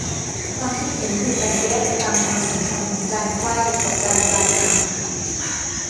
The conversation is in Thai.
ความคิดเห็นถูกแบ่งแยกไปตามความสำคัญของการไขว้กับการกลายพันธุ์